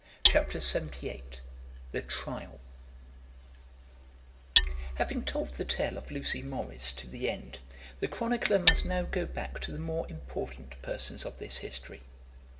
CHAPTER LXXVIII The Trial Having told the tale of Lucy Morris to the end, the chronicler must now go back to the more important persons of this history.